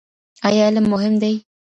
ایا علم مهم دی؟